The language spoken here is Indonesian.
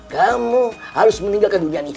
kamu harus meninggalkan dunia ini